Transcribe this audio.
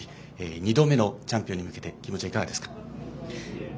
２度目のチャンピオンに向けて気持ちはいかがですか？